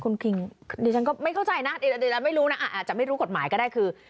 เดี๋ยวฉันก็ไม่เข้าใจนะอาจจะไม่รู้กฎหมายก็ได้คือ